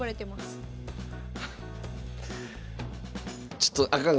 ちょっとあかん。